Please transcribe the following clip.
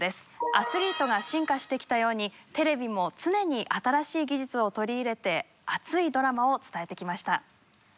アスリートが進化してきたようにテレビも常に新しい技術を取り入れて熱いドラマを伝えてきました。